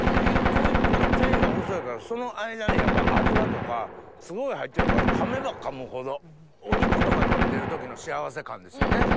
一個一個の繊維が細いからその間にやっぱ脂とかすごい入ってるから噛めば噛むほどお肉とか食べてる時の幸せ感ですよね。